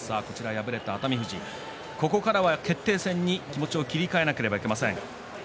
敗れた熱海富士、ここからは決定戦に気持ちを切り替えなければいけません。